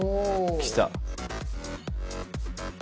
きた。